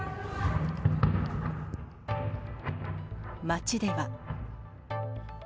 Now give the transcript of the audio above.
街では。